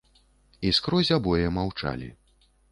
І скрозь абое маўчалі.